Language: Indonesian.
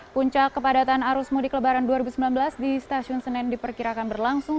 puncak kepadatan arus mudik lebaran dua ribu sembilan belas di stasiun senen diperkirakan berlangsung